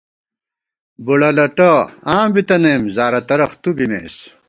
بُڑہ لَٹہ آں بِتَنَئیم ، زارہ ترَخ تُو بِمېس